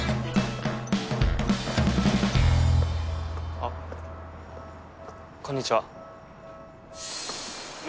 あっこんにちは明